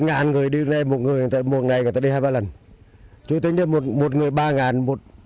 ngàn người đi lên một người một ngày người ta đi hai ba lần tôi tính đến một người ba ngàn một